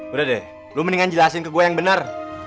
udah deh lo mendingan jelasin ke gue yang bener